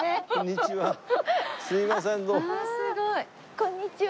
こんにちは！